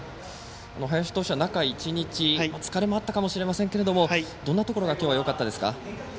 林投手は中１日疲れもあったかもしれないですがどんなところが今日は、よかったですか？